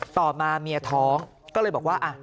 ต่อมาเมียท้องก็เลยบอกว่า